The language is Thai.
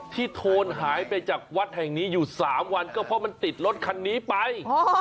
โทนหายไปจากวัดแห่งนี้อยู่๓วันก็เพราะมันติดรถคันนี้ไป